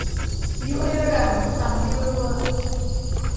ยุให้รำ ตำให้รั่ว